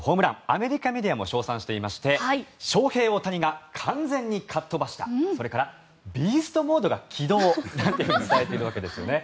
アメリカメディアも称賛していましてショウヘイ・オオタニが完全にかっ飛ばしたそれからビーストモードが起動なんて伝えているわけですね。